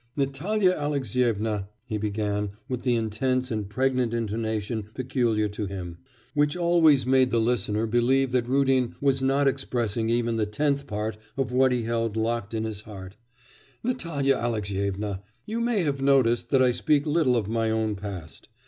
'Natalya Alexyevna!' he began with the intense and pregnant intonation peculiar to him, which always made the listener believe that Rudin was not expressing even the tenth part of what he held locked in his heart 'Natalya Alexyevna! you may have noticed that I speak little of my own past.